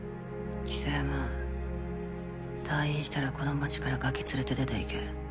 象山退院したらこの街からガキ連れて出ていけ。